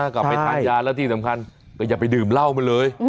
กลับไปทานยาแล้วที่สำคัญก็อย่าไปดื่มเหล้ามันเลย